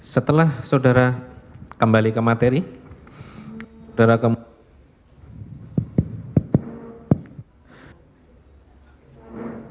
setelah saudara kembali ke materi saudara kemudian